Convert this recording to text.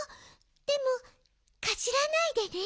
でもかじらないでね。